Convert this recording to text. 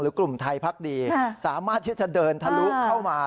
กลุ่มไทยพักดีสามารถที่จะเดินทะลุเข้ามา